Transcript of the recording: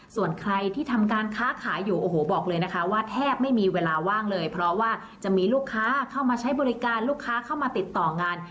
ส่วนใครที่ทำการค้าขายอยู่โอ้โหบอกเลยนะคะว่าแทบไม่มีเวลาว่างเลยเพราะว่าจะมีลูกค้าเข้ามาใช้บริการลูกค้าเข้ามาติดต่องาน